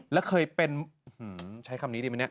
แล้วเคยเป็นใช้คำนี้ดีไหมเนี่ย